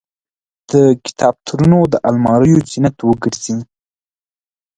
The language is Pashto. د کتابتونونو د الماریو زینت وګرځي.